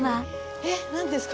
えっ何ですか？